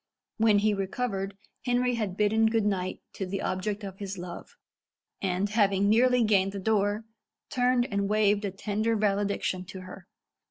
When he recovered, Henry had bidden good night to the object of his love, and, having nearly gained the door, turned and waved a tender valediction to her.